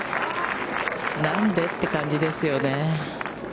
なんで？、という感じですよね。